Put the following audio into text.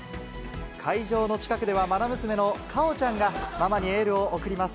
会場の近くでは、愛娘の果緒ちゃんが、ママにエールを送ります。